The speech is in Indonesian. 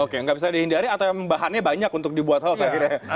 oke nggak bisa dihindari atau bahannya banyak untuk dibuat hoax akhirnya